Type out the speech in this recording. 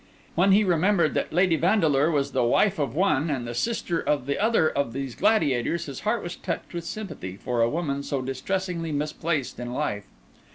When he remembered that Lady Vandeleur was the wife of one and the sister of the other of these gladiators, his heart was touched with sympathy for a woman so distressingly misplaced in life.